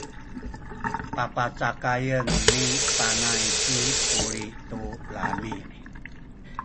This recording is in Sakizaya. papacakayen ni Panay ci Kuli tu lami’.